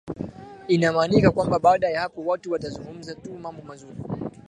Inaaminika kwamba baada ya hapo watu watazungumza tu mambo mazuri